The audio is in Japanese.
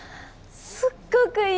すっごくいい！